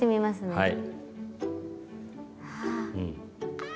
はい。